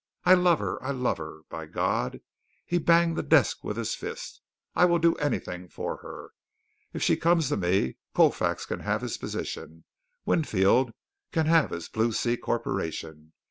I love her. I love her. By God!" he banged the desk with his fist "I will do anything for her. If she will come to me, Colfax can have his position, Winfield can have his Blue Sea Corporation.